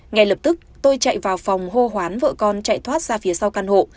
ngay lập tức tôi chạy vào phòng hô hoán vợ con chạy thoát ra phía sau căn hộ